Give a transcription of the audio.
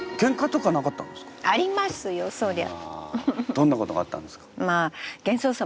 どんなことがあったんですか？